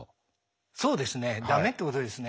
そうですねダメってことですね。